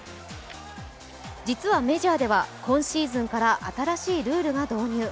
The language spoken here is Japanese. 実はメジャーでは、今シーズンから新しいルールが導入。